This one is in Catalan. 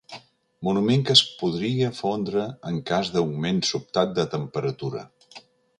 Monument que es podria fondre en cas d'augment sobtat de temperatura.